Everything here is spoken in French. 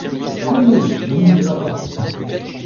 Cognons ! On n'ouvrira pas.